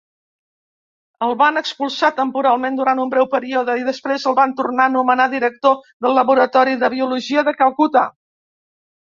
El van expulsar temporalment durant un breu període i després el van tornar a anomenar director del Laboratori de Biologia de Calcuta.